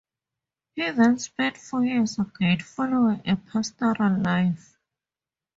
He then spent four years again following a pastoral life.